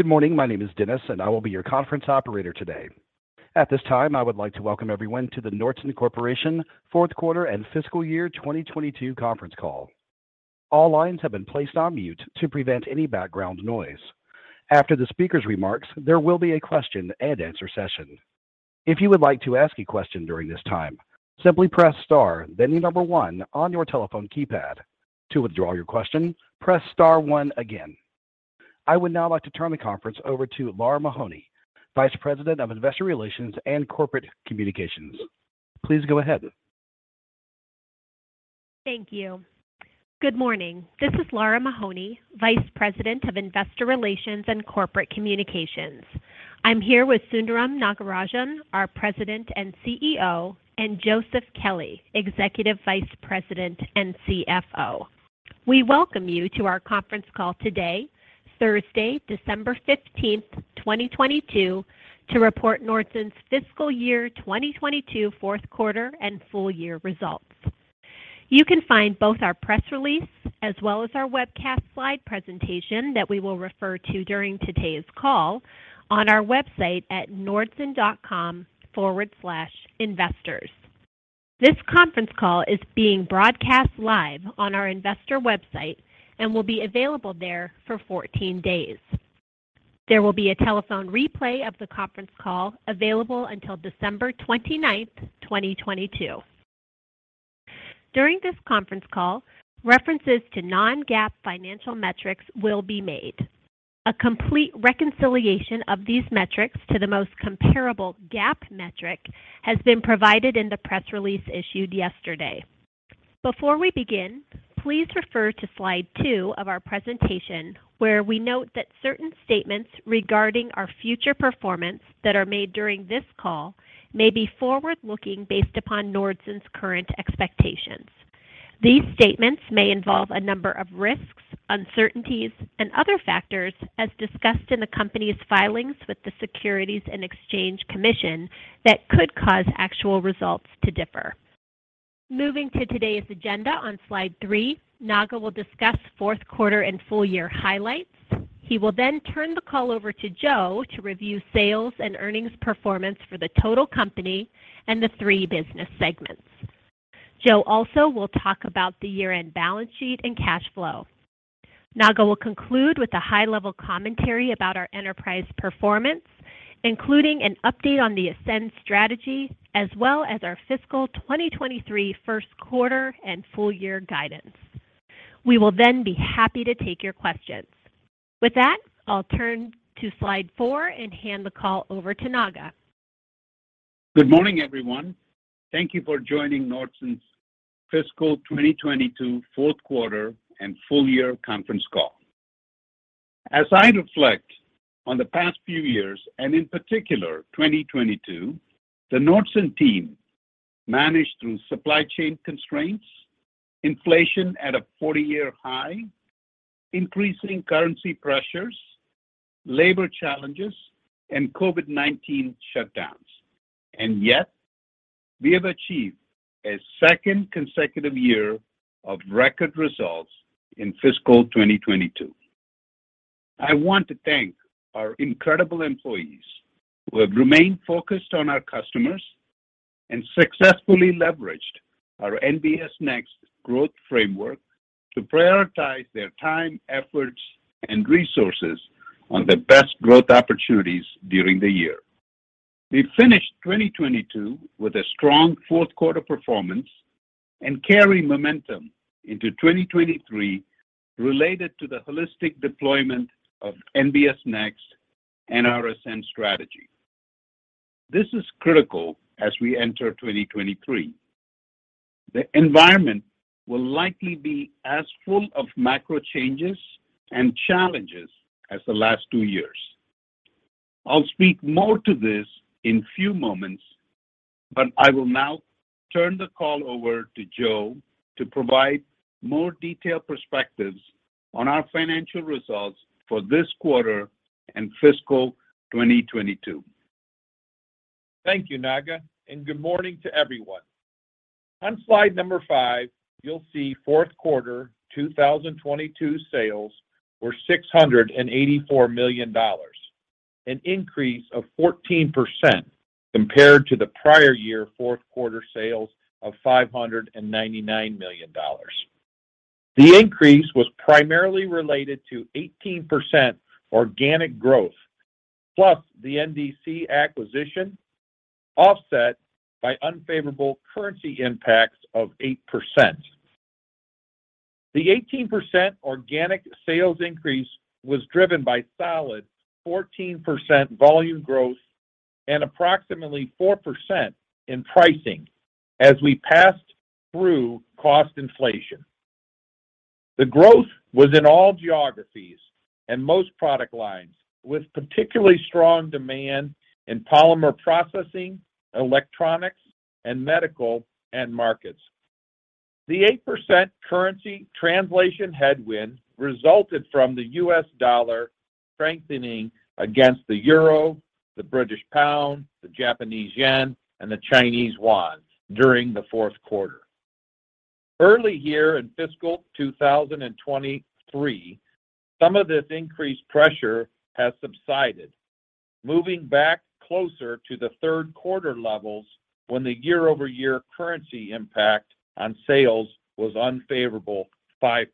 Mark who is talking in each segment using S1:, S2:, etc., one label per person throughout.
S1: Good morning. My name is Dennis, and I will be your conference operator today. At this time, I would like to welcome everyone to the Nordson Corporation Q4 and Fiscal Year 2022 Conference Call. All lines have been placed on mute to prevent any background noise. After the speaker's remarks, there will be a question-and-answer session. If you would like to ask a question during this time, simply press star, then the number one on your telephone keypad. To withdraw your question, press star one again. I would now like to turn the conference over to Lara Mahoney, Vice President of Investor Relations and Corporate Communications. Please go ahead.
S2: Thank you. Good morning. This is Lara Mahoney, Vice President of Investor Relations and Corporate Communications. I'm here with Sundaram Nagarajan, our President and CEO, and Joseph Kelley, Executive Vice President and CFO. We welcome you to our conference call today, Thursday, December 15, 2022, to report Nordson's Fiscal Year 2022 Q4 and Full-Year Results. You can find both our press release as well as our webcast slide presentation that we will refer to during today's call on our website at investors.nordson.com. This conference call is being broadcast live on our investor website and will be available there for 14 days. There will be a telephone replay of the conference call available until 29 December 2022. During this conference call, references to non-GAAP financial metrics will be made. A complete reconciliation of these metrics to the most comparable GAAP metric has been provided in the press release issued yesterday. Before we begin, please refer to slide two of our presentation, where we note that certain statements regarding our future performance that are made during this call may be forward-looking based upon Nordson's current expectations. These statements may involve a number of risks, uncertainties, and other factors as discussed in the company's filings with the Securities and Exchange Commission that could cause actual results to differ. Moving to today's agenda on slide three, Naga will discuss Q4 and full year highlights. He will turn the call over to Joe to review sales and earnings performance for the total company and the three business segments. Joe also will talk about the year-end balance sheet and cash flow. Naga will conclude with a high-level commentary about our enterprise performance, including an update on the Ascend Strategy, as well as our fiscal 2023 Q1 and full year guidance. We will then be happy to take your questions. With that, I'll turn to slide four and hand the call over to Naga.
S3: Good morning, everyone. Thank you for joining Nordson's Fiscal 2022 Q4 and Full Year Conference Call. As I reflect on the past few years, and in particular, 2022, the Nordson team managed through supply chain constraints, inflation at a 40-year high, increasing currency pressures, labor challenges, and COVID-19 shutdowns. Yet, we have achieved a second consecutive year of record results in fiscal 2022. I want to thank our incredible employees who have remained focused on our customers and successfully leveraged our NBS Next growth framework to prioritize their time, efforts, and resources on the best growth opportunities during the year. We finished 2022 with a strong Q4 performance and carry momentum into 2023 related to the holistic deployment of NBS Next and our Ascend Strategy. This is critical as we enter 2023. The environment will likely be as full of macro changes and challenges as the last t years. I'll speak more to this in few moments, but I will now turn the call over to Joe to provide more detailed perspectives on our financial results for this quarter and fiscal 2022.
S4: Thank you, Naga, and good morning to everyone. On slide number five, you'll see Q4 2022 sales were $684 million, an increase of 14% compared to the prior year Q4 sales of $599 million. The increase was primarily related to 18% organic growth, plus the NDC acquisition, offset by unfavorable currency impacts of 8%. The 18% organic sales increase was driven by solid 14% volume growth and approximately 4% in pricing as we passed through cost inflation. The growth was in all geographies and most product lines, with particularly strong demand in polymer processing, electronics, and medical end markets. The 8% currency translation headwind resulted from the US dollar strengthening against the euro, the British pound, the Japanese yen, and the Chinese yuan during the Q4. early here in fiscal 2023, some of this increased pressure has subsided, moving back closer to the Q3 levels when the year-over-year currency impact on sales was unfavorable 5%.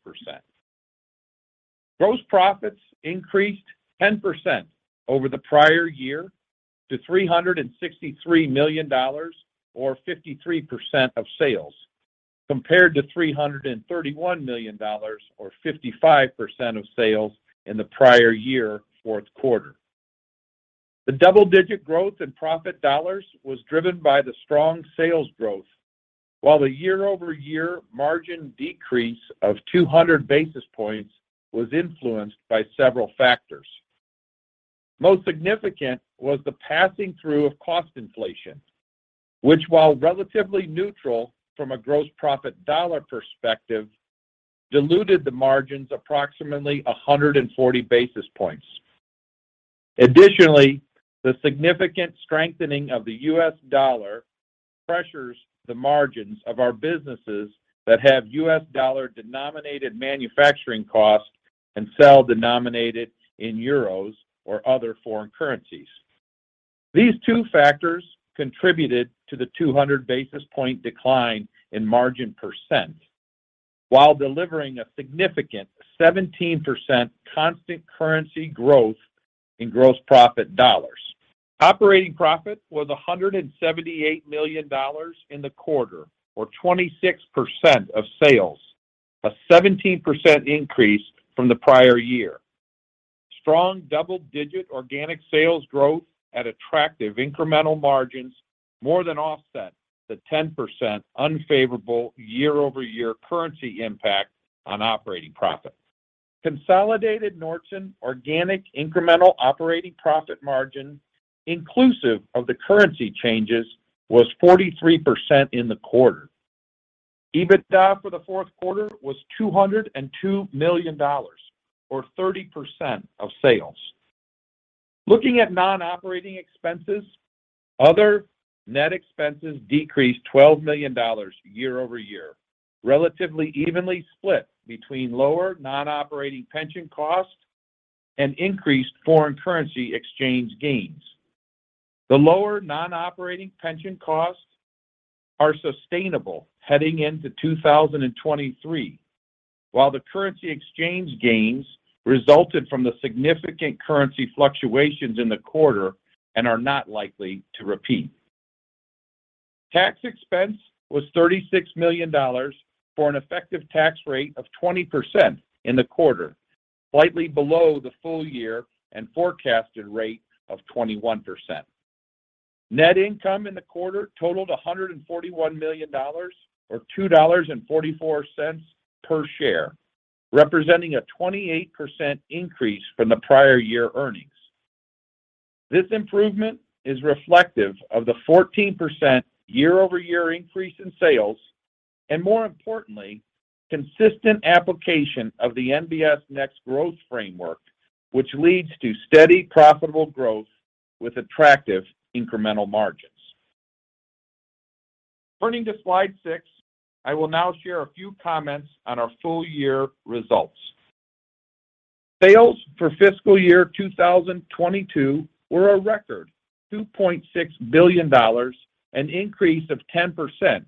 S4: Gross profits increased 10% over the prior year to $363 million or 53% of sales, compared to $331 million or 55% of sales in the prior year, Q4. The double-digit growth in profit dollars was driven by the strong sales growth, while the year-over-year margin decrease of 200 basis points was influenced by several factors. Most significant was the passing through of cost inflation, which, while relatively neutral from a gross profit dollar perspective, diluted the margins approximately 140 basis points. The significant strengthening of the US dollar pressures the margins of our businesses that have US dollar-denominated manufacturing costs and sell denominated in euros or other foreign currencies. These two factors contributed to the 200 basis point decline in margin % while delivering a significant 17% constant currency growth in gross profit dollars. Operating profit was $178 million in the quarter, or 26% of sales, a 17% increase from the prior year. Strong double-digit organic sales growth at attractive incremental margins more than offset the 10% unfavorable year-over-year currency impact on operating profit. Consolidated Nordson organic incremental operating profit margin, inclusive of the currency changes, was 43% in the quarter. EBITDA for the Q4 was $202 million or 30% of sales. Looking at non-operating expenses, other net expenses decreased $12 million year-over-year, relatively evenly split between lower non-operating pension costs and increased foreign currency exchange gains. The lower non-operating pension costs are sustainable heading into 2023, while the currency exchange gains resulted from the significant currency fluctuations in the quarter and are not likely to repeat. Tax expense was $36 million for an effective tax rate of 20% in the quarter, slightly below the full year and forecasted rate of 21%. Net income in the quarter totaled $141 million or $2.44 per share, representing a 28% increase from the prior year earnings. This improvement is reflective of the 14% year-over-year increase in sales and, more importantly, consistent application of the NBS Next growth framework, which leads to steady, profitable growth with attractive incremental margins. Turning to slide six, I will now share a few comments on our full year results. Sales for fiscal year 2022 were a record $2.6 billion, an increase of 10%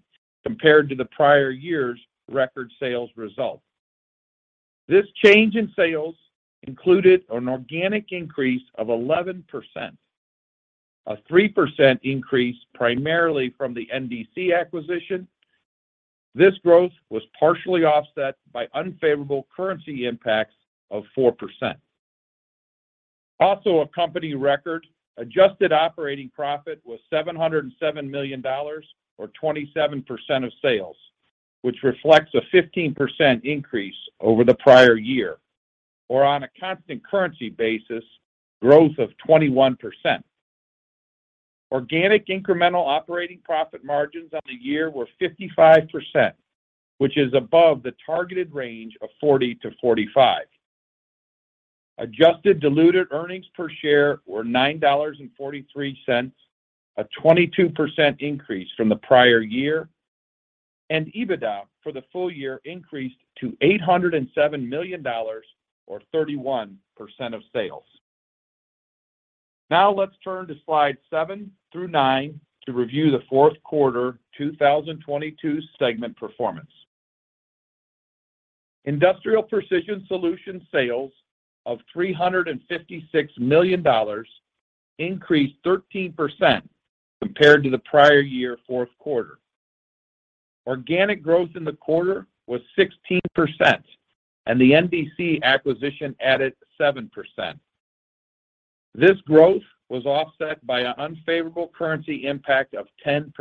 S4: compared to the prior year's record sales result. This change in sales included an organic increase of 11%, a 3% increase primarily from the NDC acquisition. This growth was partially offset by unfavorable currency impacts of 4%. Also a company record, adjusted operating profit was $707 million or 27% of sales, which reflects a 15% increase over the prior year, or on a constant currency basis, growth of 21%. Organic incremental operating profit margins on the year were 55%, which is above the targeted range of 40% to 45%. Adjusted diluted earnings per share were $9.43, a 22% increase from the prior year. EBITDA for the full year increased to $807 million or 31% of sales. Now let's turn to slide seven through nine to review the Q4 2022 segment performance. Industrial Precision Solutions sales of $356 million increased 13% compared to the prior year Q4. Organic growth in the quarter was 16%, and the NDC acquisition added 7%. This growth was offset by an unfavorable currency impact of 10%.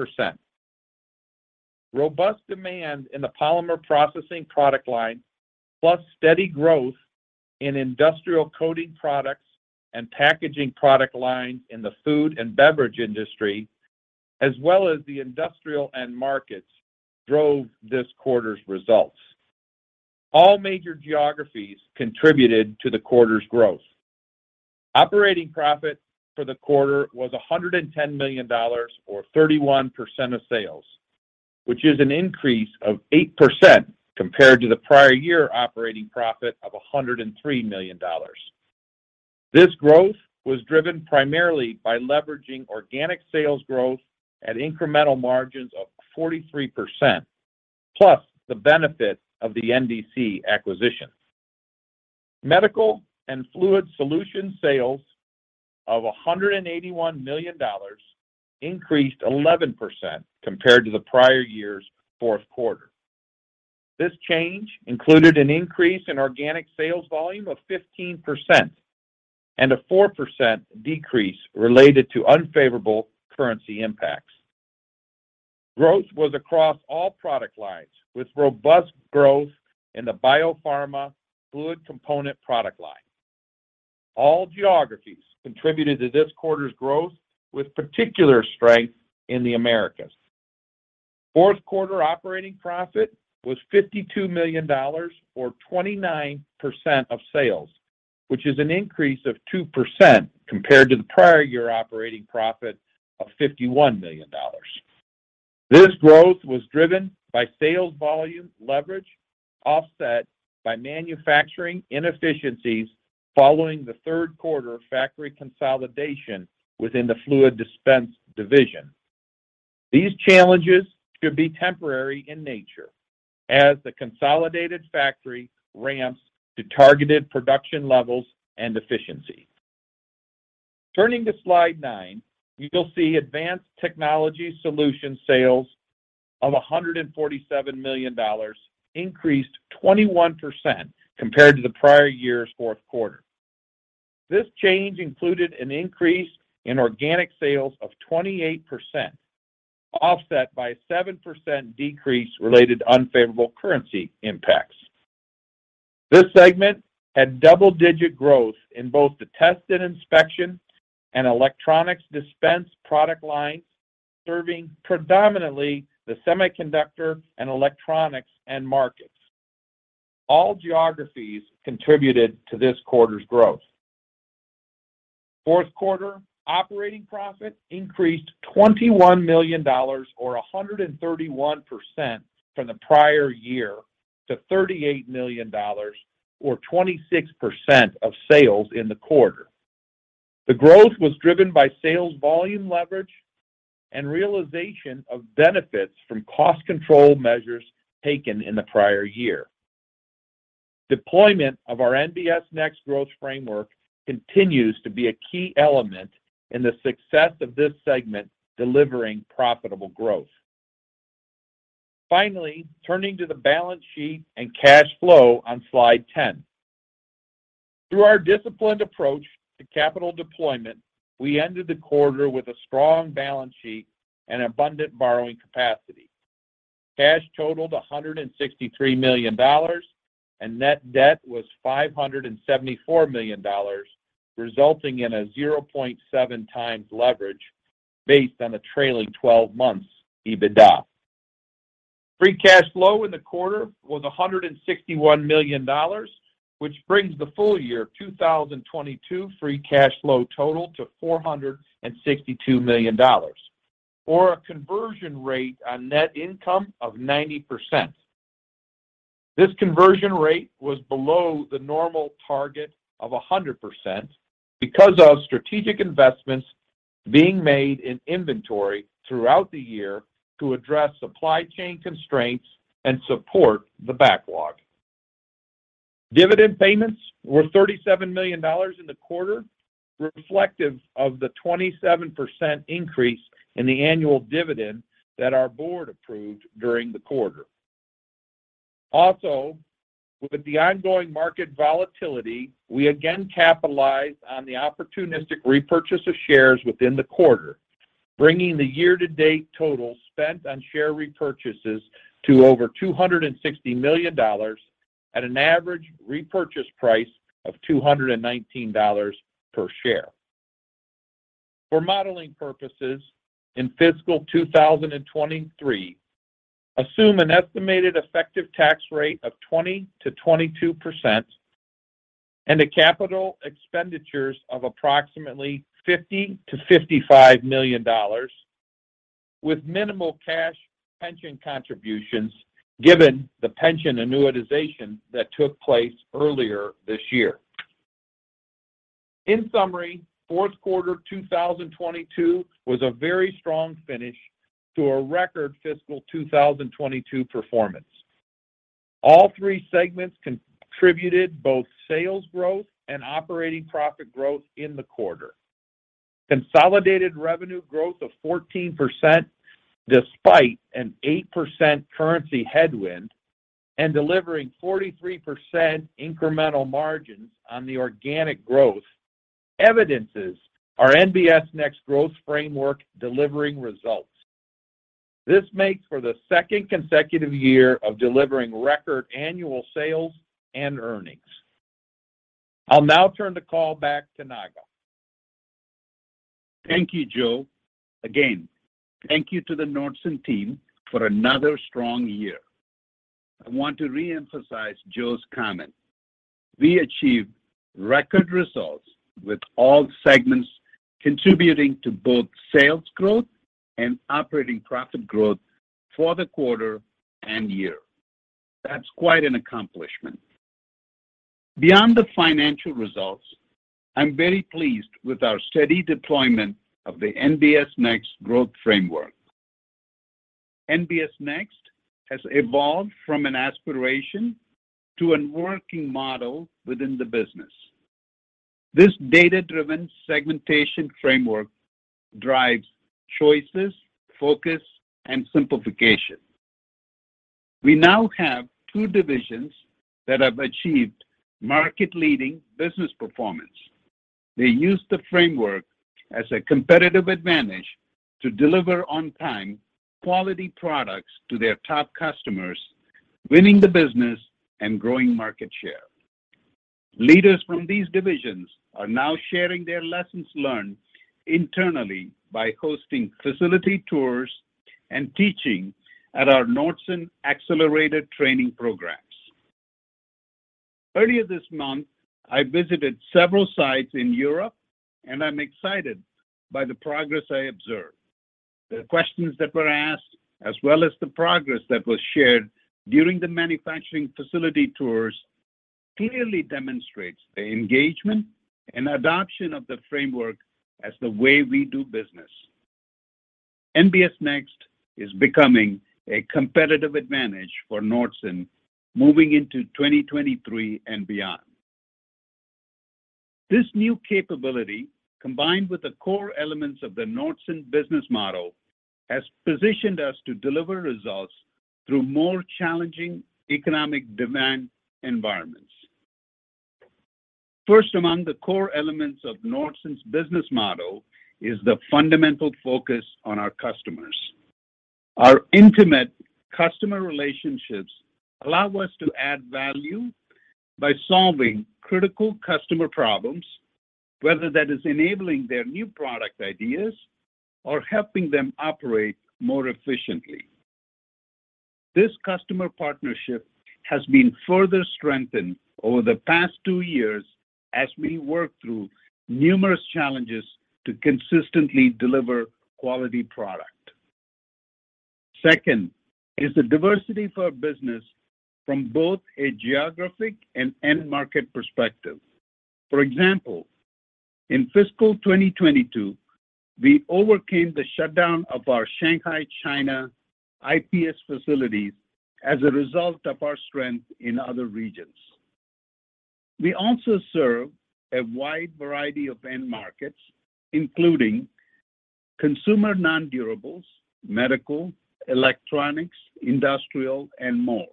S4: Robust demand in the polymer processing product line, plus steady growth in industrial coding products and packaging product lines in the food and beverage industry, as well as the industrial end markets, drove this quarter's results. All major geographies contributed to the quarter's growth. Operating profit for the quarter was $110 million or 31% of sales, which is an increase of 8% compared to the prior year operating profit of $103 million. This growth was driven primarily by leveraging organic sales growth at incremental margins of 43%, plus the benefit of the NDC acquisition. Medical and Fluid Solutions sales of $181 million increased 11% compared to the prior year's Q4. This change included an increase in organic sales volume of 15% and a 4% decrease related to unfavorable currency impacts. Growth was across all product lines, with robust growth in the biopharma fluid component product line. All geographies contributed to this quarter's growth with particular strength in the Americas. Q4 operating profit was $52 million or 29% of sales, which is an increase of 2% compared to the prior year operating profit of $51 million. This growth was driven by sales volume leverage, offset by manufacturing inefficiencies following the Q3 factory consolidation within the fluid dispense division. These challenges should be temporary in nature as the consolidated factory ramps to targeted production levels and efficiency. Turning to slide nine, you'll see Advanced Technology Solutions sales of $147 million increased 21% compared to the prior year's Q4. This change included an increase in organic sales of 28%, offset by a 7% decrease related to unfavorable currency impacts. This segment had double-digit growth in both the test and inspection and electronics dispense product lines, serving predominantly the semiconductor and electronics end markets. All geographies contributed to this quarter's growth. Q4 operating profit increased $21 million or 131% from the prior year to $38 million or 26% of sales in the quarter. The growth was driven by sales volume leverage and realization of benefits from cost control measures taken in the prior year. Deployment of our NBS Next Growth Framework continues to be a key element in the success of this segment, delivering profitable growth. Finally, turning to the balance sheet and cash flow on slide 10. Through our disciplined approach to capital deployment, we ended the quarter with a strong balance sheet and abundant borrowing capacity. Cash totaled $163 million, and net debt was $574 million, resulting in a 0.7x leverage based on a trailing 12 months EBITDA. Free cash flow in the quarter was $161 million, which brings the full year 2022 free cash flow total to $462 million or a conversion rate on net income of 90%. This conversion rate was below the normal target of 100% because of strategic investments being made in inventory throughout the year to address supply chain constraints and support the backlog. Dividend payments were $37 million in the quarter, reflective of the 27% increase in the annual dividend that our board approved during the quarter. Also, with the ongoing market volatility, we again capitalized on the opportunistic repurchase of shares within the quarter, bringing the year to date total spent on share repurchases to over $260 million at an average repurchase price of $219 per share. For modeling purposes in fiscal 2023, assume an estimated effective tax rate of 20% to 22% and a capital expenditures of approximately $50 to 55 million with minimal cash pension contributions, given the pension annuitization that took place earlier this year. In summary, Q4 2022 was a very strong finish to a record fiscal 2022 performance. All three segments contributed both sales growth and operating profit growth in the quarter. Consolidated revenue growth of 14% despite an 8% currency headwind and delivering 43% incremental margins on the organic growth evidences our NBS Next Growth Framework delivering results. This makes for the second consecutive year of delivering record annual sales and earnings. I'll now turn the call back to Naga.
S3: Thank you, Joe. Again, thank you to the Nordson team for another strong year. I want to re-emphasize Joe's comment. We achieved record results with all segments contributing to both sales growth and operating profit growth for the quarter and year. That's quite an accomplishment. Beyond the financial results, I'm very pleased with our steady deployment of the NBS Next growth framework. NBS Next has evolved from an aspiration to a working model within the business. This data-driven segmentation framework drives choices, focus, and simplification. We now have two divisions that have achieved market-leading business performance. They use the framework as a competitive advantage to deliver on-time quality products to their top customers, winning the business and growing market share. Leaders from these divisions are now sharing their lessons learned internally by hosting facility tours and teaching at our Nordson accelerated training programs. Earlier this month, I visited several sites in Europe, and I'm excited by the progress I observed. The questions that were asked, as well as the progress that was shared during the manufacturing facility tours, clearly demonstrates the engagement and adoption of the framework as the way we do business. NBS Next is becoming a competitive advantage for Nordson moving into 2023 and beyond. This new capability, combined with the core elements of the Nordson business model, has positioned us to deliver results through more challenging economic demand environments. First, among the core elements of Nordson's business model is the fundamental focus on our customers. Our intimate customer relationships allow us to add value by solving critical customer problems, whether that is enabling their new product ideas or helping them operate more efficiently. This customer partnership has been further strengthened over the past two years as we work through numerous challenges to consistently deliver quality product. Second is the diversity for business from both a geographic and end market perspective. For example, in fiscal 2022, we overcame the shutdown of our Shanghai, China, IPS facilities as a result of our strength in other regions. We also serve a wide variety of end markets, including consumer non-durables, medical, electronics, industrial, and more.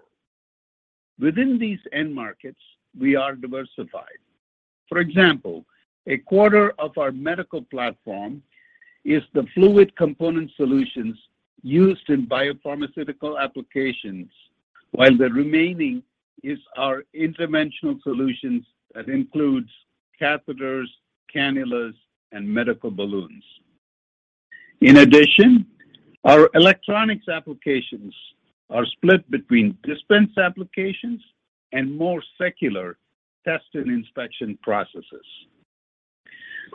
S3: Within these end markets, we are diversified. For example, a quarter of our medical platform is the fluid component solutions used in biopharmaceutical applications, while the remaining is our interventional solutions that includes catheters, cannulas, and medical balloons. In addition, our electronics applications are split between dispense applications and more secular test and inspection processes.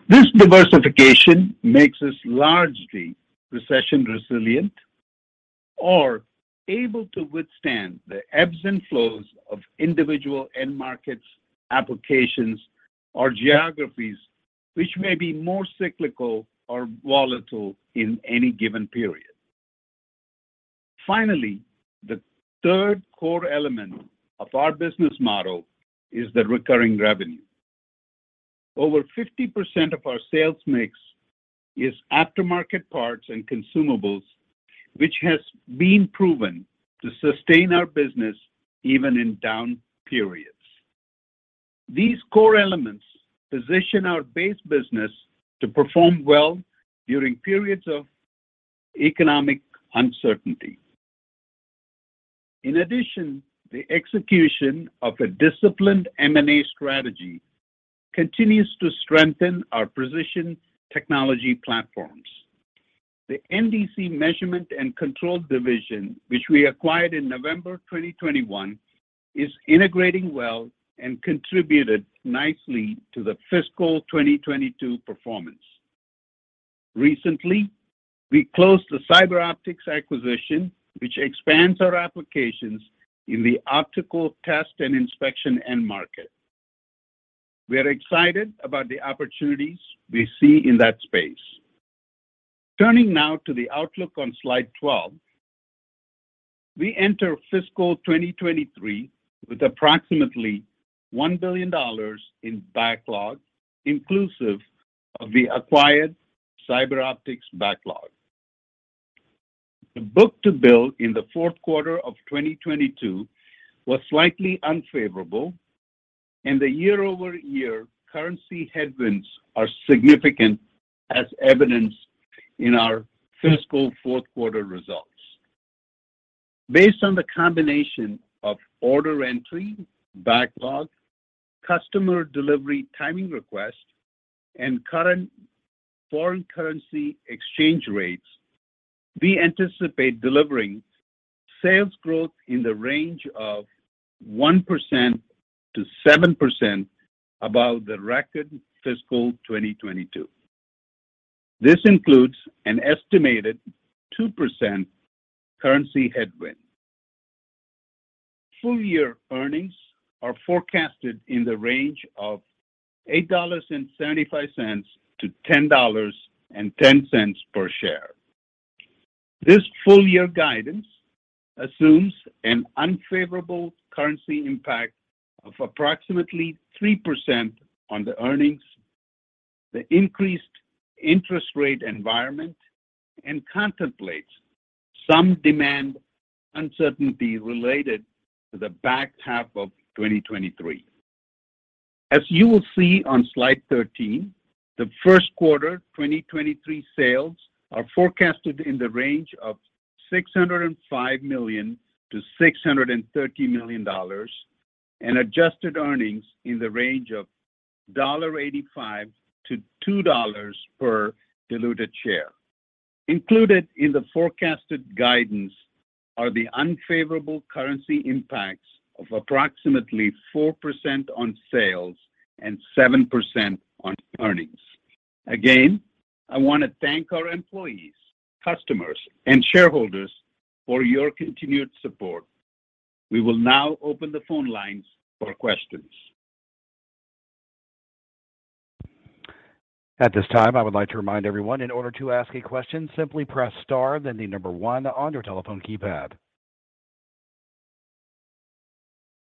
S3: This diversification makes us largely recession-resilient or able to withstand the ebbs and flows of individual end markets, applications, or geographies which may be more cyclical or volatile in any given period. Finally, the third core element of our business model is the recurring revenue. Over 50% of our sales mix is aftermarket parts and consumables, which has been proven to sustain our business even in down periods. These core elements position our base business to perform well during periods of economic uncertainty. In addition, the execution of a disciplined M&A strategy continues to strengthen our position technology platforms. The NDC Measurement & Control division, which we acquired in November 2021, is integrating well and contributed nicely to the fiscal 2022 performance. Recently, we closed the CyberOptics acquisition, which expands our applications in the optical test and inspection end market. We are excited about the opportunities we see in that space. Turning now to the outlook on slide 12, we enter fiscal 2023 with approximately $1 billion in backlog, inclusive of the acquired CyberOptics backlog. The book-to-bill in the Q4 of 2022 was slightly unfavorable, the year-over-year currency headwinds are significant as evidenced in our fiscal Q4 results. Based on the combination of order entry, backlog, customer delivery timing request, and current foreign currency exchange rates, we anticipate delivering sales growth in the range of 1% to 7% above the record fiscal 2022. This includes an estimated 2% currency headwind. Full year earnings are forecasted in the range of $8.75 to $10.10 per share. This full year guidance assumes an unfavorable currency impact of approximately 3% on the earnings, the increased interest rate environment, and contemplates some demand uncertainty related to the back half of 2023. As you will see on slide 13, the Q1 2023 sales are forecasted in the range of $605 to 630 million, and adjusted earnings in the range of $1.85 to $2.00 per diluted share. Included in the forecasted guidance are the unfavorable currency impacts of approximately 4% on sales and 7% on earnings. I want to thank our employees, customers, and shareholders for your continued support. We will now open the phone lines for questions.
S1: At this time, I would like to remind everyone in order to ask a question, simply press star, then the 1 on your telephone keypad.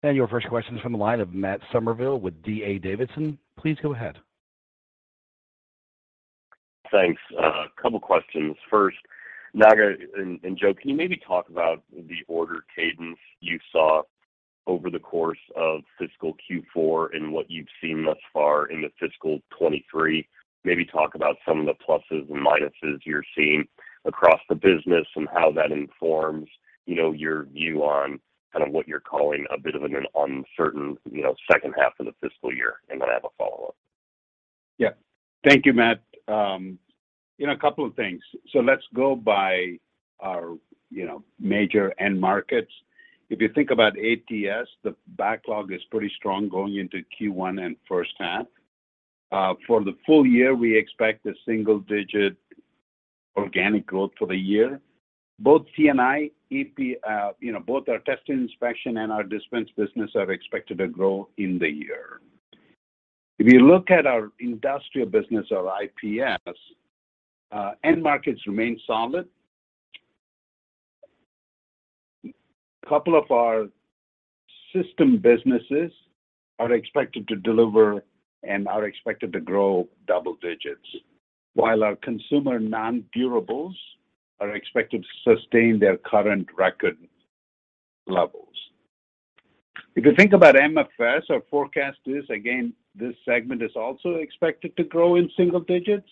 S1: Your first question is from the line of Matt Summerville with D.A. Davidson. Please go ahead.
S5: Thanks. Couple of questions. First, Naga and Joe, can you maybe talk about the order cadence you saw over the course of fiscal Q4 and what you've seen thus far into fiscal 2023? Maybe talk about some of the pluses and minuses you're seeing across the business and how that informs, you know, your view on kind of what you're calling a bit of an uncertain, you know, second half of the fiscal year. Then I have a follow-up.
S3: Yeah. Thank you, Matt. You know, a couple of things. Let's go by our, you know, major end markets. If you think about ATS, the backlog is pretty strong going into Q1 and first half. For the full year, we expect a single-digit organic growth for the year. Both C&I, you know, both our test and inspection and our dispense business are expected to grow in the year. If you look at our industrial business or IPS, end markets remain solid. A couple of our system businesses are expected to deliver and are expected to grow double digits, while our consumer non-durables are expected to sustain their current record levels. If you think about MFS, our forecast is, again, this segment is also expected to grow in single digits.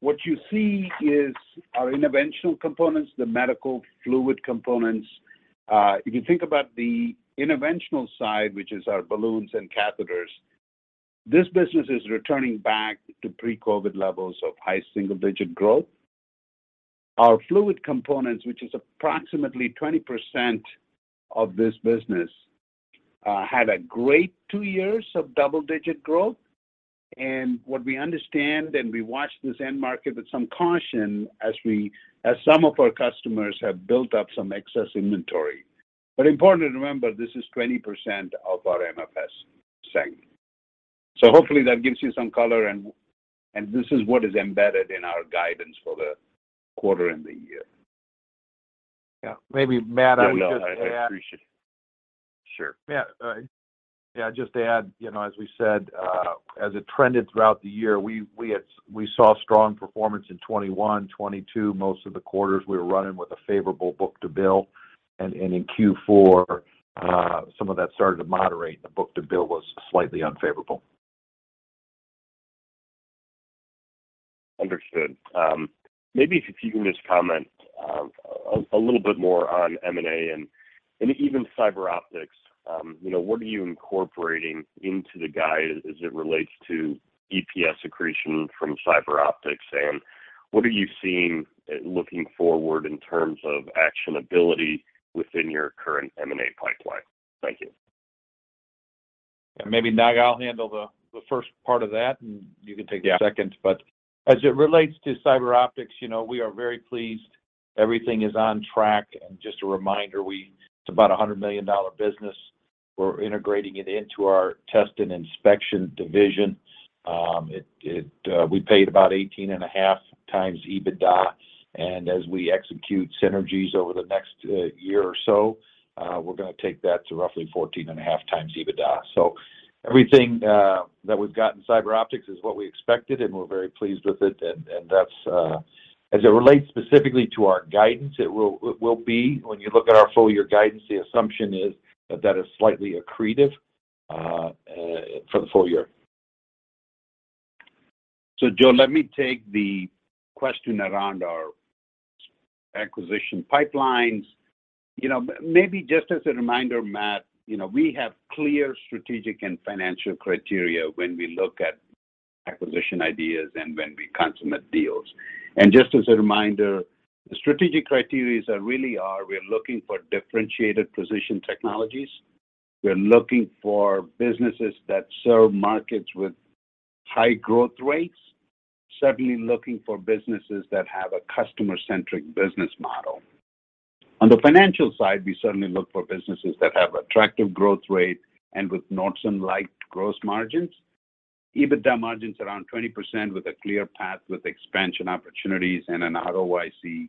S3: What you see is our interventional components, the medical fluid components. If you think about the interventional side, which is our balloons and catheters, this business is returning back to pre-COVID levels of high single-digit growth. Our fluid components, which is approximately 20% of this business, had a great two years of double-digit growth. What we understand, and we watch this end market with some caution as some of our customers have built up some excess inventory. Important to remember, this is 20% of our MFS segment. Hopefully that gives you some color and this is what is embedded in our guidance for the quarter and the year.
S4: Yeah. Maybe Matt, I would just add-
S5: Yeah, no, I appreciate.
S4: Sure. Yeah. Just to add, you know, as we said, as it trended throughout the year, we saw strong performance in 2021, 2022. Most of the quarters we were running with a favorable book-to-bill. In Q4, some of that started to moderate, and the book-to-bill was slightly unfavorable.
S5: Understood. Maybe if you can just comment a little bit more on M&A and even CyberOptics? What are you incorporating into the guide as it relates to EPS accretion from CyberOptics? What are you seeing looking forward in terms of actionability within your current M&A pipeline? Thank you.
S4: Maybe, Naga, I'll handle the first part of that, and you can take the second.
S3: Yeah.
S4: As it relates to CyberOptics, you know, we are very pleased. Everything is on track. Just a reminder, it's about a $100 million business. We're integrating it into our test and inspection division. We paid about 18.5 times EBITDA. As we execute synergies over the next year or so, we're gonna take that to roughly 14.5 times EBITDA. Everything that we've got in CyberOptics is what we expected, and we're very pleased with it. That's... As it relates specifically to our guidance, it will be, when you look at our full year guidance, the assumption is that that is slightly accretive for the full year.
S3: Joe, let me take the question around our acquisition pipelines. You know, maybe just as a reminder, Matt, you know, we have clear strategic and financial criteria when we look at acquisition ideas and when we consummate deals. Just as a reminder, the strategic criterias are really are, we're looking for differentiated position technologies. We're looking for businesses that serve markets with high growth rates. Certainly looking for businesses that have a customer-centric business model. On the financial side, we certainly look for businesses that have attractive growth rate and with Nordson-like gross margins. EBITDA margins around 20% with a clear path with expansion opportunities and an ROIC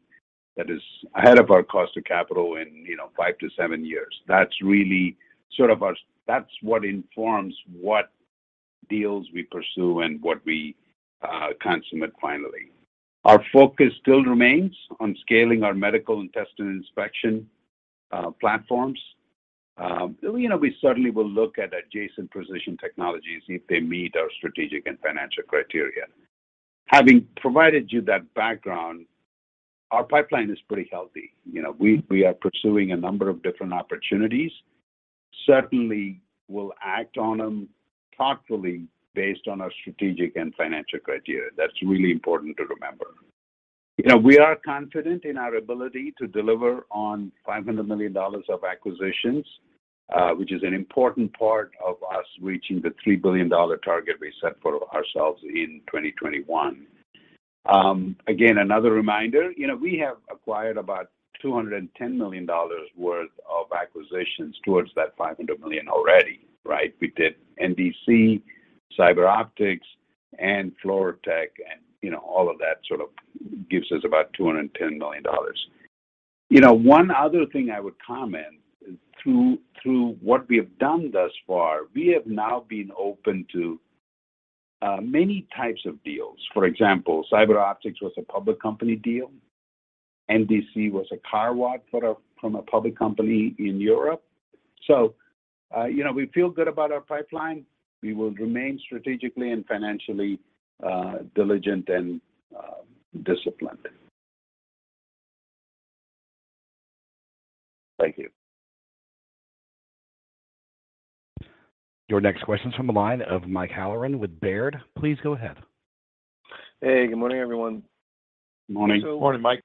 S3: that is ahead of our cost of capital in, you know, five to seven years. That's what informs what deals we pursue and what we consummate finally. Our focus still remains on scaling our medical and testing inspection platforms. You know, we certainly will look at adjacent position technologies if they meet our strategic and financial criteria. Having provided you that background, our pipeline is pretty healthy. You know, we are pursuing a number of different opportunities. Certainly, we'll act on them thoughtfully based on our strategic and financial criteria. That's really important to remember. You know, we are confident in our ability to deliver on $500 million of acquisitions, which is an important part of us reaching the $3 billion target we set for ourselves in 2021. Again, another reminder, you know, we have acquired about $210 million worth of acquisitions towards that $500 million already, right? We did NDC, CyberOptics, and Fluortek, and, you know, all of that sort of gives us about $210 million. You know, one other thing I would comment, through what we have done thus far, we have now been open to many types of deals. For example, CyberOptics was a public company deal. NDC was a carve-out from a public company in Europe. We feel good about our pipeline. We will remain strategically and financially diligent and disciplined. Thank you.
S1: Your next question is from the line of Mike Halloran with Baird. Please go ahead.
S6: Hey, good morning, everyone.
S3: Good morning.
S4: Morning, Mike.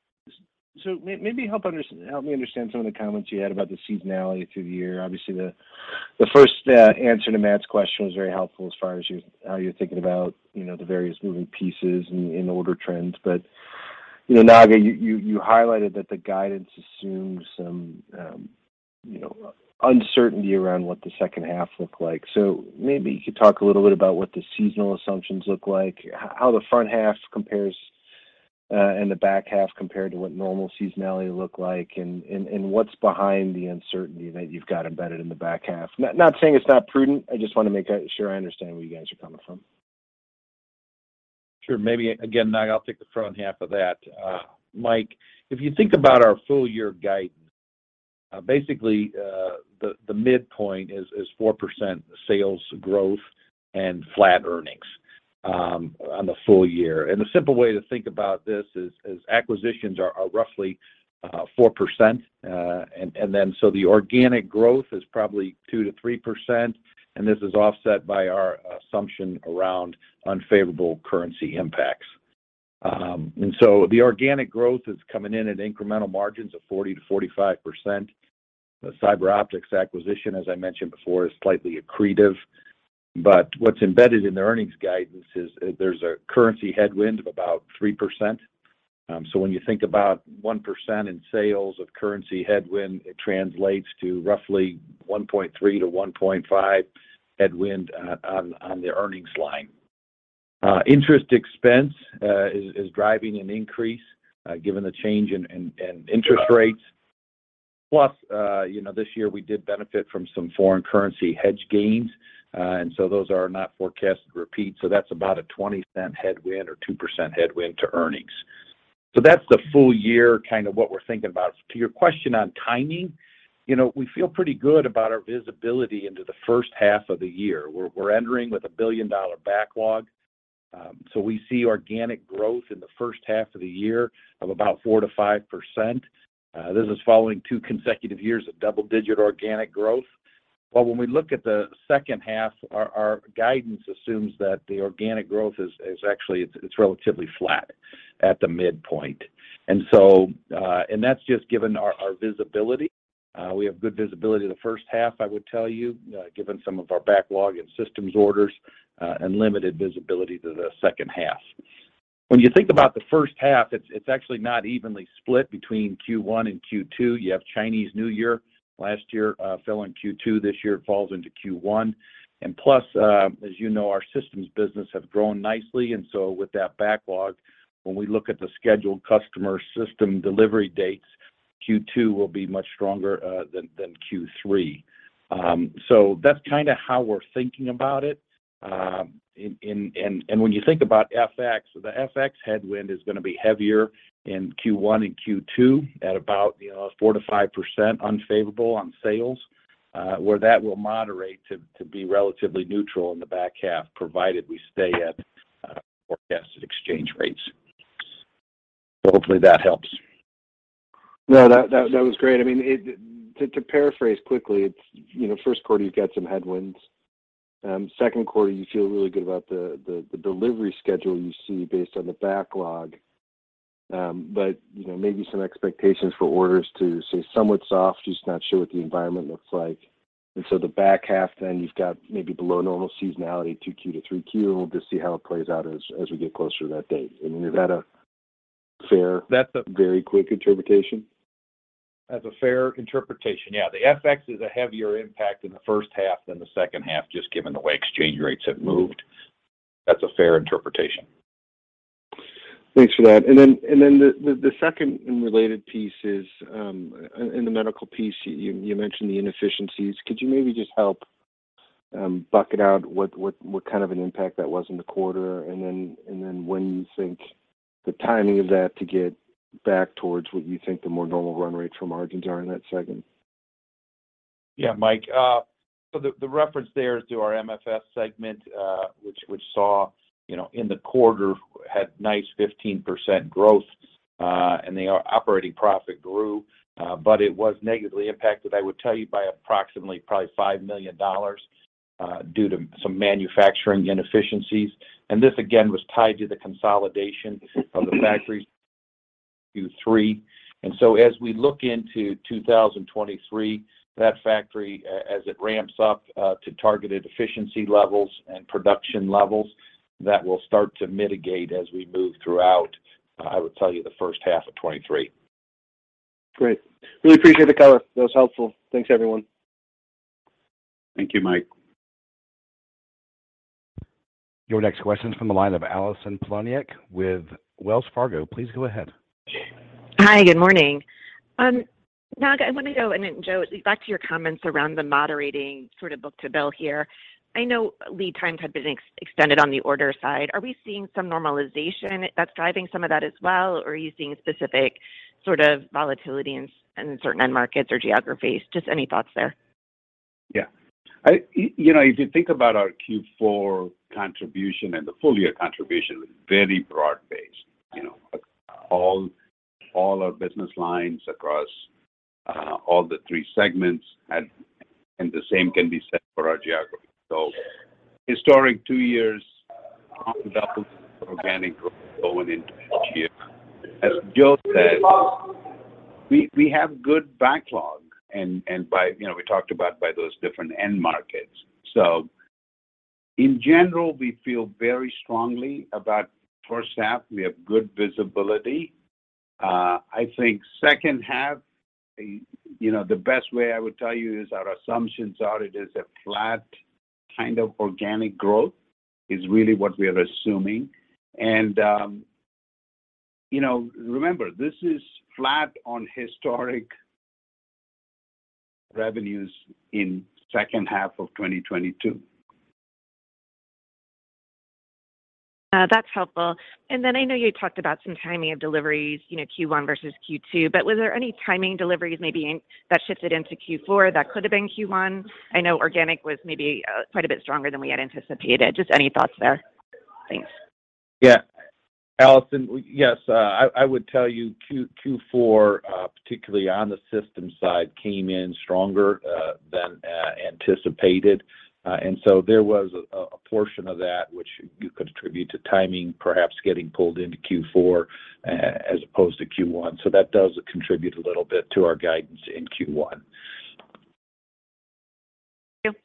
S6: Maybe help me understand some of the comments you had about the seasonality through the year. Obviously, the first answer to Matt's question was very helpful as far as how you're thinking about, you know, the various moving pieces in order trends. You know, Naga, you highlighted that the guidance assumes some, you know, uncertainty around what the second half look like. Maybe you could talk a little bit about what the seasonal assumptions look like, how the front half compares, and the back half compared to what normal seasonality look like, and what's behind the uncertainty that you've got embedded in the back half. Not saying it's not prudent, I just want to make sure I understand where you guys are coming from.
S4: Sure. Maybe again, Naga, I'll take the front half of that. Mike, if you think about our full year guidance, basically, the midpoint is 4% sales growth and flat earnings on the full year. The simple way to think about this is acquisitions are roughly 4%. The organic growth is probably 2% to 3%, and this is offset by our assumption around unfavorable currency impacts. The organic growth is coming in at incremental margins of 40% to 45%. The CyberOptics acquisition, as I mentioned before, is slightly accretive. What's embedded in the earnings guidance is there's a currency headwind of about 3%. When you think about 1% in sales of currency headwind, it translates to roughly 1.3% to 1.5% headwind on the earnings line. Interest expense is driving an increase given the change in interest rates. Plus, you know, this year we did benefit from some foreign currency hedge gains, those are not forecast to repeat. That's about a $0.20 headwind or 2% headwind to earnings. That's the full year kind of what we're thinking about. To your question on timing, you know, we feel pretty good about our visibility into the first half of the year. We're entering with a billion-dollar backlog. We see organic growth in the first half of the year of about 4% to 5%. This is following two consecutive years of double-digit organic growth. When we look at the second half, our guidance assumes that the organic growth is actually it's relatively flat at the midpoint. That's just given our visibility. We have good visibility the first half, I would tell you, given some of our backlog and systems orders, and limited visibility to the second half. When you think about the first half, it's actually not evenly split between Q1 and Q2. You have Chinese New Year last year, fell in Q2. This year, it falls into Q1. Plus, as you know, our systems business have grown nicely. With that backlog, when we look at the scheduled customer system delivery dates, Q2 will be much stronger, than Q3. That's kinda how we're thinking about it. When you think about FX, the FX headwind is gonna be heavier in Q1 and Q2 at about, you know, 4% to 5% unfavorable on sales. Where that will moderate to be relatively neutral in the back half, provided we stay at forecasted exchange rates. Hopefully that helps.
S6: No, that was great. I mean, to paraphrase quickly, it's, you know, Q1 you've got some headwinds. Q2 you feel really good about the delivery schedule you see based on the backlog. You know, maybe some expectations for orders to stay somewhat soft, just not sure what the environment looks like. The back half then you've got maybe below normal seasonality, 2Q to Q3, and we'll just see how it plays out as we get closer to that date. I mean, is that a fair-
S3: That's a very quick interpretation? That's a fair interpretation, yeah. The FX is a heavier impact in the first half than the second half, just given the way exchange rates have moved. That's a fair interpretation.
S6: Thanks for that. The second and related piece is, in the medical piece, you mentioned the inefficiencies. Could you maybe just help bucket out what kind of an impact that was in the quarter? When you think the timing of that to get back towards what you think the more normal run rate for margins are in that segment?
S3: Yeah, Mike. So the reference there is to our MFS segment, which saw, you know, in the quarter had nice 15% growth, and the operating profit grew, but it was negatively impacted, I would tell you, by approximately probably $5 million, due to some manufacturing inefficiencies. This again was tied to the consolidation of the factories two, three. As we look into 2023, that factory as it ramps up, to targeted efficiency levels and production levels, that will start to mitigate as we move throughout, I would tell you, the first half of 2023.
S6: Great. Really appreciate the color. That was helpful. Thanks everyone.
S3: Thank you, Mike.
S1: Your next question is from the line of Allison Poliniak with Wells Fargo. Please go ahead.
S7: Hi. Good morning. Naga, I want to go, and then Joe, back to your comments around the moderating sort of book-to-bill here. I know lead times had been extended on the order side. Are we seeing some normalization that's driving some of that as well? Are you seeing specific sort of volatility in certain end markets or geographies? Just any thoughts there.
S3: You know, if you think about our Q4 contribution and the full year contribution, very broad-based, you know. All our business lines across all the three segments and the same can be said for our geography. Historic two years organic growth going into next year. As Joe said, we have good backlog and by, you know, we talked about by those different end markets. In general, we feel very strongly about first half. We have good visibility. I think second half, you know, the best way I would tell you is our assumptions are it is a flat kind of organic growth is really what we are assuming. You know, remember, this is flat on historic revenues in second half of 2022.
S7: That's helpful. I know you talked about some timing of deliveries, you know, Q1 versus Q2, but was there any timing deliveries that shifted into Q4 that could have been Q1? I know organic was maybe quite a bit stronger than we had anticipated. Any thoughts there? Thanks.
S3: Yeah. Allison, yes, I would tell you Q4, particularly on the systems side, came in stronger than anticipated. There was a portion of that which you contribute to timing, perhaps getting pulled into Q4 as opposed to Q1. That does contribute a little bit to our guidance in Q1.
S7: Thank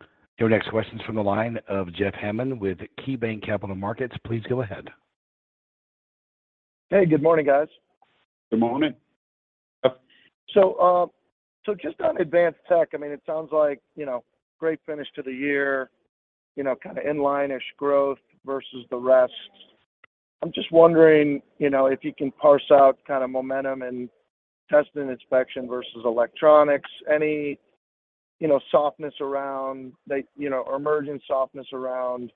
S7: you.
S1: Your next question is from the line of Jeff Hammond with KeyBanc Capital Markets. Please go ahead.
S8: Hey, good morning, guys.
S3: Good morning.
S8: Just on advanced tech, I mean, it sounds like, you know, great finish to the year, you know, kind of inline-ish growth versus the rest. I'm just wondering, you know, if you can parse out kind of momentum and test and inspection versus electronics. Any, you know, softness around like, you know, or emerging softness around,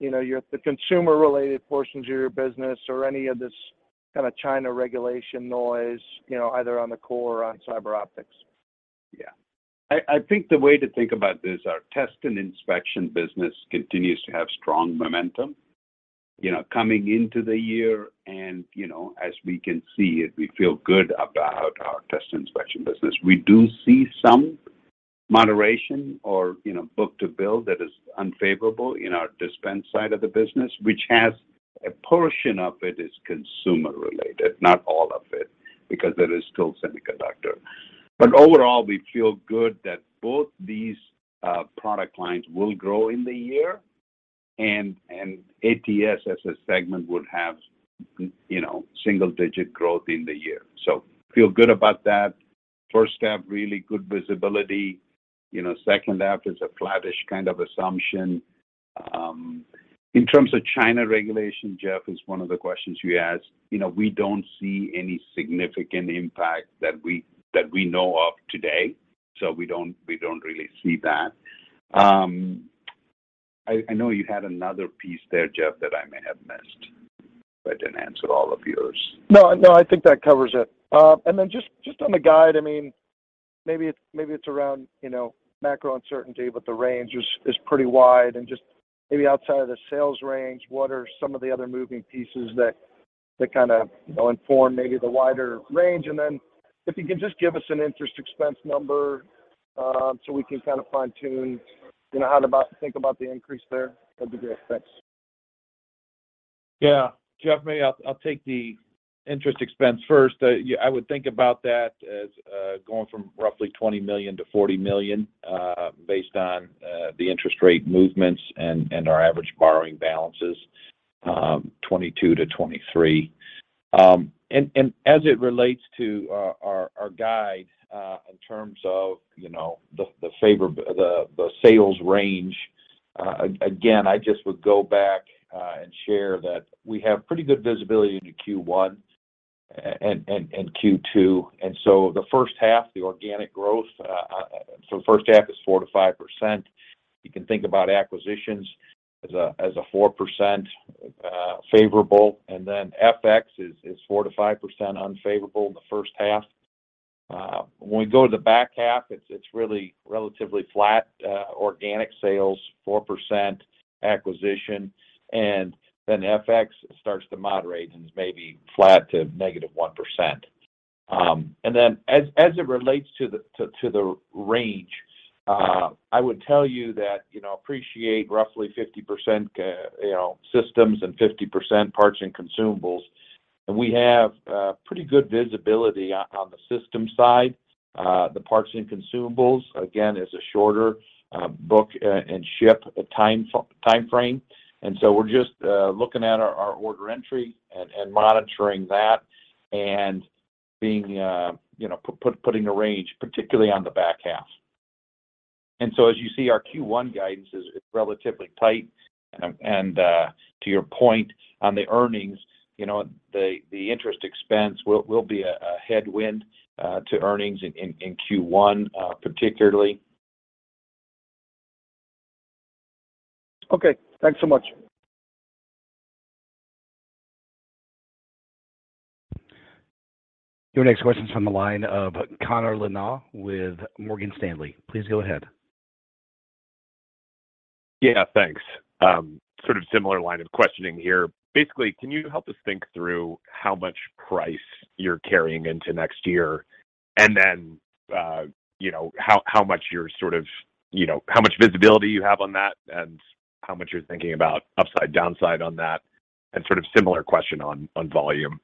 S8: you know, your, the consumer-related portions of your business or any of this kind of China regulation noise, you know, either on the core or on CyberOptics.
S3: Yeah. I think the way to think about this, our test and inspection business continues to have strong momentum. You know, coming into the year and, you know, as we can see it, we feel good about our test and inspection business. We do see some moderation or, you know, book-to-bill that is unfavorable in our dispense side of the business, which has a portion of it is consumer-related, not all of it, because there is still semiconductor. Overall, we feel good that both these product lines will grow in the year and ATS as a segment would have, you know, single-digit growth in the year. Feel good about that. First half, really good visibility. You know, second half is a flattish kind of assumption. In terms of China regulation, Jeff, is one of the questions you asked. You know, we don't see any significant impact that we know of today. We don't really see that. I know you had another piece there, Jeff, that I may have missed if I didn't answer all of yours.
S8: No, no, I think that covers it. Then just on the guide, I mean, maybe it's around, you know, macro uncertainty, but the range is pretty wide. Just maybe outside of the sales range, what are some of the other moving pieces that kinda, you know, inform maybe the wider range? Then if you can just give us an interest expense number, so we can kind of fine-tune, you know, how to think about the increase there. That'd be great. Thanks.
S4: Yeah. Jeff, may I... I'll take the interest expense first. I would think about that as going from roughly $20 million to 40 million based on the interest rate movements and our average borrowing balances, 2022 to 2023. As it relates to our guide in terms of, you know, the sales range, again, I just would go back and share that we have pretty good visibility into Q1 and Q2. The first half, the organic growth, so the first half is 4% to 5%. You can think about acquisitions as a 4% favorable, and then FX is 4% to 5% unfavorable in the first half. When we go to the back half, it's really relatively flat, organic sales, 4% acquisition, and then FX starts to moderate and is maybe flat to -1%. As it relates to the range, I would tell you that, you know, appreciate roughly 50%, you know, systems and 50% parts and consumables. We have pretty good visibility on the system side. The parts and consumables, again, is a shorter book and ship timeframe. We're just looking at our order entry and monitoring that and being, you know, putting a range, particularly on the back half. As you see, our Q1 guidance is relatively tight. To your point on the earnings, you know, the interest expense will be a headwind to earnings in Q1 particularly.
S8: Okay. Thanks so much.
S1: Your next question's from the line of Connor Lynagh with Morgan Stanley. Please go ahead.
S9: Yeah, thanks. Sort of similar line of questioning here. Basically, can you help us think through how much price you're carrying into next year? You know, how much you're sort of, you know, how much visibility you have on that and how much you're thinking about upside/downside on that, and sort of similar question on volume?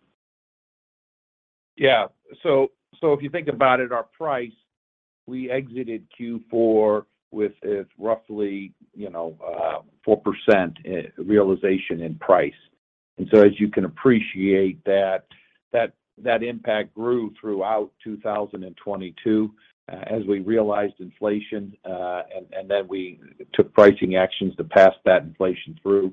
S4: Yeah. If you think about it, our price, we exited Q4 with roughly, you know, 4% realization in price. As you can appreciate that impact grew throughout 2022 as we realized inflation, and then we took pricing actions to pass that inflation through.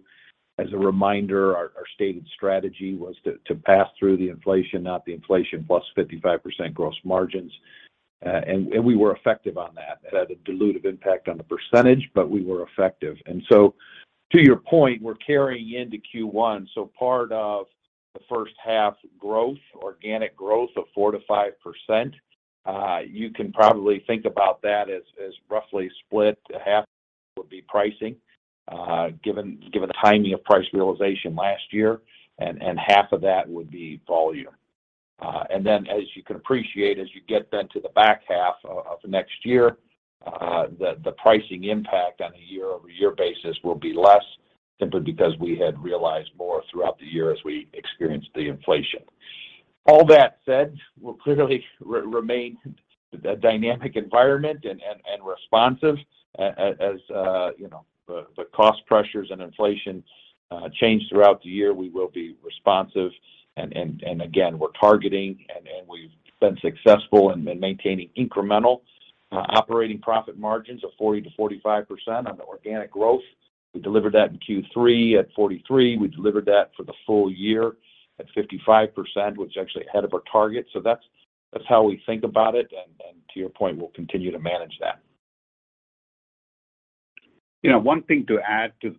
S4: As a reminder, our stated strategy was to pass through the inflation, not the inflation plus 55% gross margins. We were effective on that. It had a dilutive impact on the percentage, but we were effective. To your point, we're carrying into Q1. Part of the first half growth, organic growth of 4% to 5%, you can probably think about that as roughly split. Half would be pricing, given the timing of price realization last year, and half of that would be volume. Then as you can appreciate, as you get then to the back half of next year, the pricing impact on a year-over-year basis will be less simply because we had realized more throughout the year as we experienced the inflation. All that said, we'll clearly remain a dynamic environment and responsive. As, you know, the cost pressures and inflation change throughout the year, we will be responsive. Again, we're targeting and we've been successful in maintaining incremental operating profit margins of 40% to 45% on the organic growth. We delivered that in Q3 at 43%. We delivered that for the full year at 55%, which is actually ahead of our target. That's how we think about it. To your point, we'll continue to manage that.
S3: You know, one thing to add to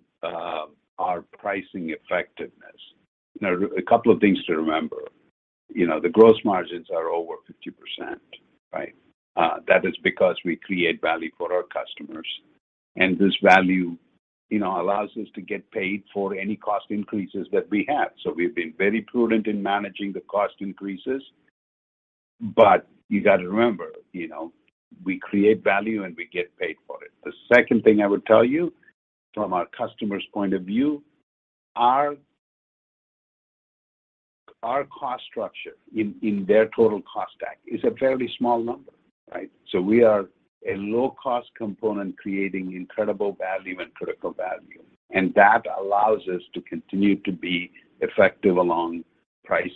S3: our pricing effectiveness. You know, a couple of things to remember. You know, the gross margins are over 50%, right? That is because we create value for our customers, and this value, you know, allows us to get paid for any cost increases that we have. We've been very prudent in managing the cost increases. You got to remember, you know, we create value, and we get paid for it. The second thing I would tell you from our customers' point of view, our cost structure in their total cost stack is a fairly small number, right? We are a low-cost component creating incredible value and critical value, and that allows us to continue to be effective along price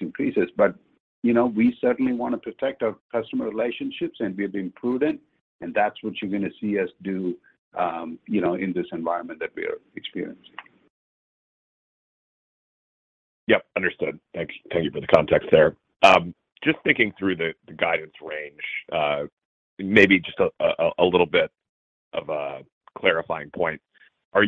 S3: increases. You know, we certainly wanna protect our customer relationships, and we've been prudent, and that's what you're gonna see us do, you know, in this environment that we are experiencing.
S9: Yep, understood. Thank you for the context there. Just thinking through the guidance range, maybe just a little bit of a clarifying point. When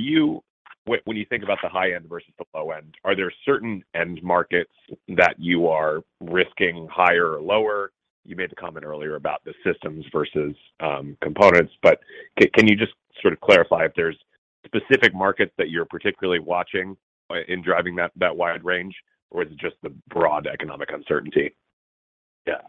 S9: you think about the high end versus the low end, are there certain end markets that you are risking higher or lower? You made the comment earlier about the systems versus components. Can you just sort of clarify if there's specific markets that you're particularly watching in driving that wide range, or is it just the broad economic uncertainty?
S3: Yeah.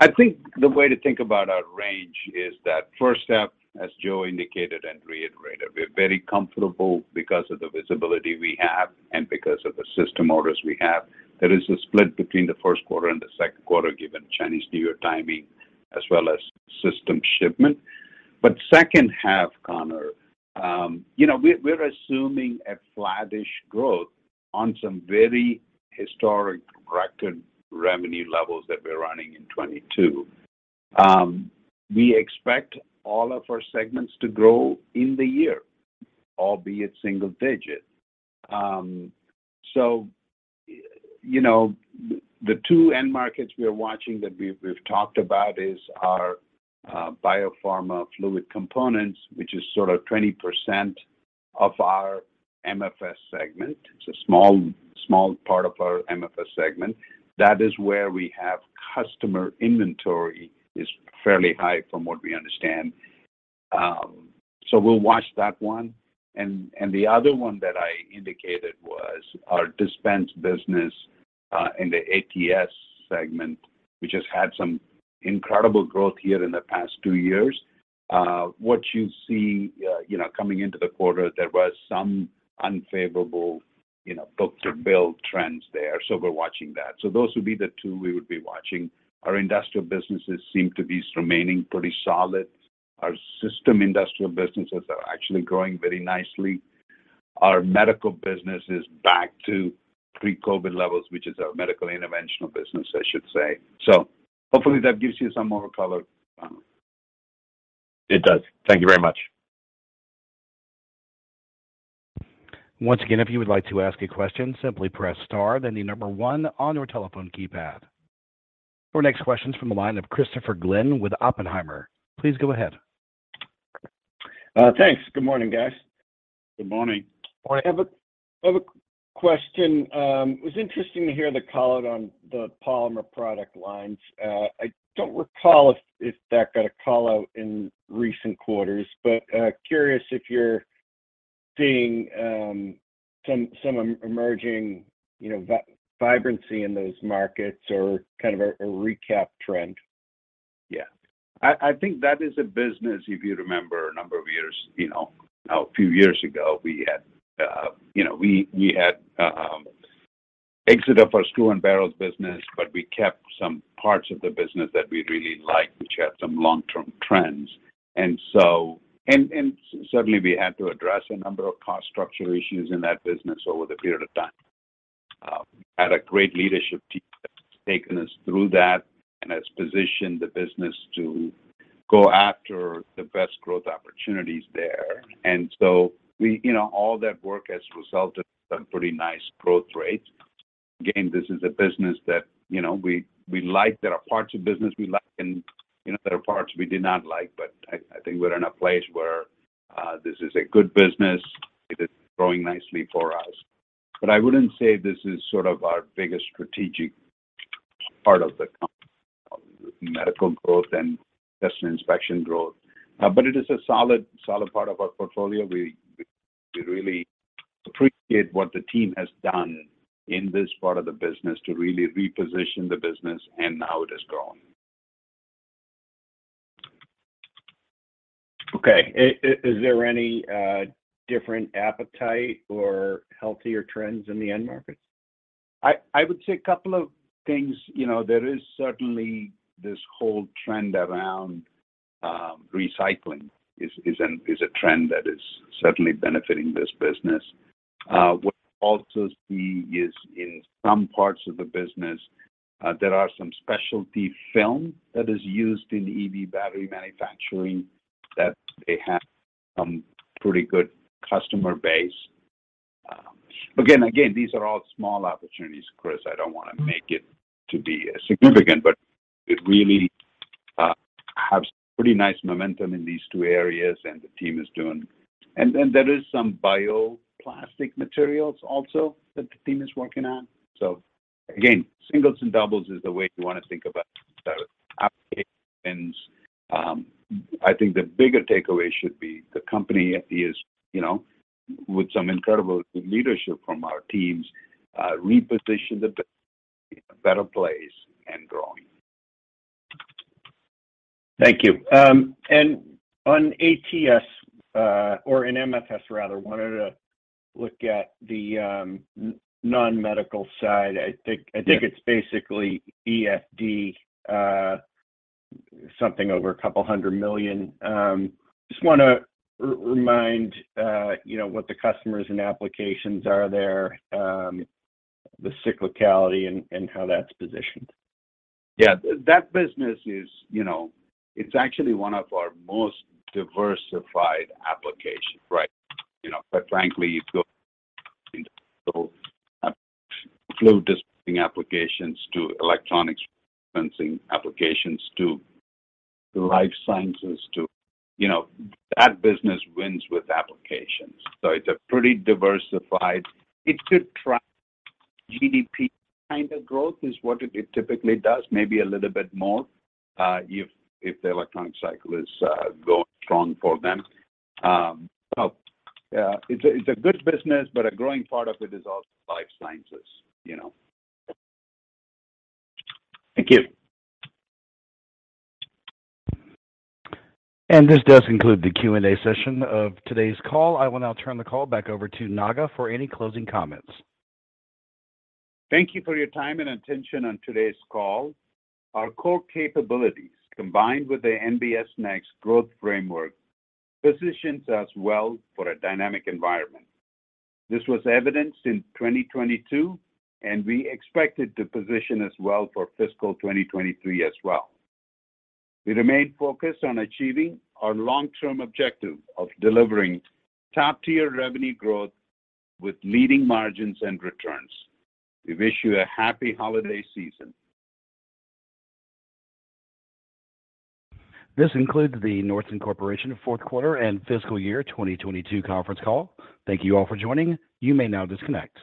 S3: I think the way to think about our range is that first half, as Joe indicated and reiterated, we're very comfortable because of the visibility we have and because of the system orders we have. There is a split between the first quarter and the second quarter, given Chinese New Year timing as well as system shipment. Second half, Connor, you know, we're assuming a flattish growth on some very historic record revenue levels that we're running in 2022. We expect all of our segments to grow in the year, albeit single digit. You know, the two end markets we are watching that we've talked about is our biopharma fluid components, which is sort of 20% of our MFS segment. It's a small part of our MFS segment. That is where we have customer inventory is fairly high from what we understand. We'll watch that one. The other one that I indicated was our dispense business in the ATS segment, which has had some incredible growth here in the past two years. What you see, you know, coming into the quarter, there was some unfavorable, you know, book-to-bill trends there. We're watching that. Those would be the two we would be watching. Our industrial businesses seem to be remaining pretty solid. Our system industrial businesses are actually growing very nicely. Our medical business is back to pre-COVID levels, which is our medical interventional business, I should say. Hopefully that gives you some more color, Connor.
S9: It does. Thank you very much.
S1: Once again, if you would like to ask a question, simply press star, then the number one on your telephone keypad. Our next question is from the line of Christopher Glynn with Oppenheimer. Please go ahead.
S10: Thanks. Good morning, guys.
S3: Good morning.
S4: Morning.
S10: I have a question. It was interesting to hear the call out on the polymer product lines. I don't recall if that got a call-out in recent quarters. Curious if you're seeing some emerging, you know, vibrancy in those markets or kind of a recap trend?
S3: Yeah. I think that is a business, if you remember a number of years, you know, a few years ago, we had, you know, we had exit of our screw and barrels business, but we kept some parts of the business that we really liked, which had some long-term trends. Certainly we had to address a number of cost structure issues in that business over the period of time. Had a great leadership team that's taken us through that and has positioned the business to go after the best growth opportunities there. We, you know, all that work has resulted in some pretty nice growth rates. Again, this is a business that, you know, we like. There are parts of business we like and, you know, there are parts we did not like. I think we're in a place where this is a good business. It is growing nicely for us. I wouldn't say this is sort of our biggest strategic part of the company. Medical growth and customer inspection growth. It is a solid part of our portfolio. We really appreciate what the team has done in this part of the business to really reposition the business and how it has grown.
S10: Okay. Is there any different appetite or healthier trends in the end markets?
S3: I would say a couple of things. You know, there is certainly this whole trend around recycling is a trend that is certainly benefiting this business. What we also see is in some parts of the business, there are some specialty film that is used in EV battery manufacturing that they have some pretty good customer base. Again, these are all small opportunities, Chris. I don't wanna make it to be significant, but it really has pretty nice momentum in these two areas and the team is doing. There is some bioplastic materials also that the team is working on. Again, singles and doubles is the way you wanna think about the applications. I think the bigger takeaway should be the company is, you know, with some incredible leadership from our teams, reposition the business, a better place and growing.
S10: Thank you. On ATS, or in MFS rather, wanted to look at the non-medical side. I think it's basically EFD, something over a couple hundred million dollars. Just wanna remind, you know, what the customers and applications are there, the cyclicality and how that's positioned.
S3: That business is, you know, it's actually one of our most diversified applications, right? You know, quite frankly, you go from fluid dispensing applications to electronics dispensing applications to life sciences to. You know, that business wins with applications. It's a pretty diversified. It could track GDP kind of growth is what it typically does, maybe a little bit more, if the electronic cycle is strong for them. It's a good business. A growing part of it is also life sciences, you know.
S10: Thank you.
S1: This does conclude the Q&A session of today's call. I will now turn the call back over to Naga for any closing comments.
S3: Thank you for your time and attention on today's call. Our core capabilities, combined with the NBS Next growth framework, positions us well for a dynamic environment. This was evidenced in 2022, we expect it to position us well for fiscal 2023 as well. We remain focused on achieving our long-term objective of delivering top-tier revenue growth with leading margins and returns. We wish you a happy holiday season.
S1: This concludes the Nordson Corporation Q4 and Fiscal Year 2022 Conference Call. Thank you all for joining. You may now disconnect.